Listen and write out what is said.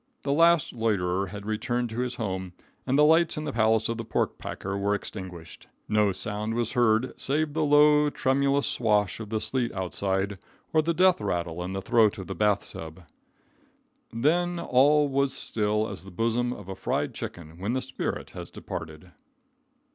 The last loiterer had returned to his home, and the lights in the palace of the pork packer were extinguished. No sound was heard, save the low, tremulous swash of the sleet outside, or the death rattle in the throat of the bath tub. Then all was still as the bosom of a fried chicken when the spirit has departed.